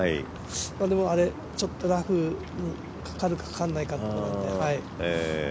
でもちょっとラフにかかるかかからないかというところなので。